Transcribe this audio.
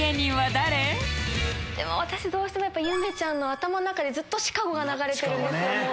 私どうしてもやっぱりゆめちゃんの頭の中でずっと「シカゴ」が流れてるんですよ